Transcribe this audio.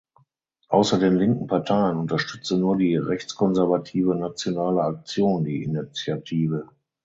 Ausser den linken Parteien unterstützte nur die rechtskonservative Nationale Aktion die Initiative.